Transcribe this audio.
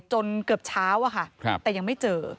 จนเกือบเช้าอะค่ะแต่ยังไม่เจอ